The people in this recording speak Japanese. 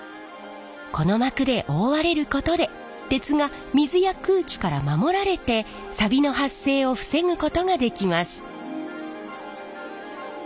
この膜で覆われることで鉄が水や空気から守られてさびの発生を防ぐことができます。